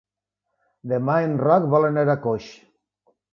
Demà en Roc vol anar a Coix.